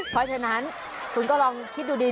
เพราะฉะนั้นคุณก็ลองคิดดูดี